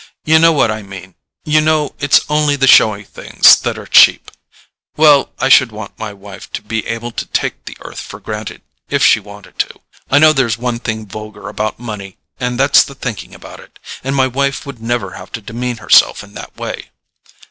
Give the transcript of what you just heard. You know what I mean—you know it's only the showy things that are cheap. Well, I should want my wife to be able to take the earth for granted if she wanted to. I know there's one thing vulgar about money, and that's the thinking about it; and my wife would never have to demean herself in that way."